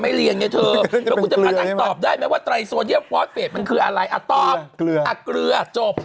ไอ้ไตรโซเดียมฟอสเฟดมันคืออะไรอ่ะตอบเกลืออ่ะเกลือจบ